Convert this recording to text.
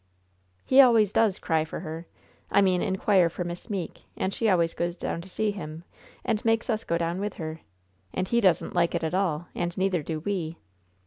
"He always does cry for her I mean inquire for Miss Meeke and she always goes down to see him, and makes us go down with her. And he doesn't like it at all, and neither do we.